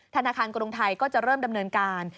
ธนาคารกรุงไทยก็จะเริ่มดำเนินการ